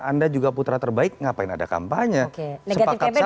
anda juga putra terbaik ngapain ada kampanye